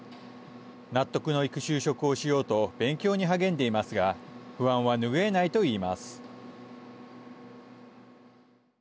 納得のいく就職をしようと勉強に励んでいますが不安はぬぐえないといいます。